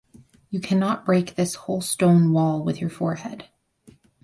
You cannot break this whole stone wall with your forehead.